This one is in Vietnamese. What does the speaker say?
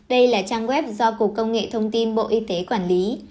đây là trang web do cục công nghệ thông tin bộ y tế quản lý